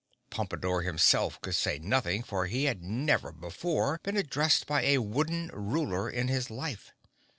Pompadore, himself, could say nothing for he had never before been addressed by a wooden Ruler in his life.